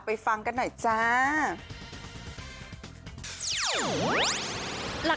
ฟังกันหน่อยจ้า